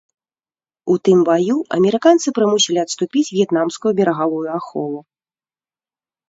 У тым баю амерыканцы прымусілі адступіць в'етнамскую берагавую ахову.